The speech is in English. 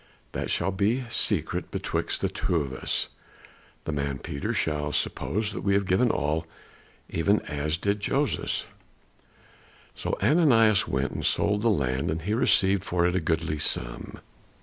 That shall be secret betwixt the two of us. The man Peter shall suppose that we have given all, even as did Joses." So Ananias went and sold the land and he received for it a goodly sum.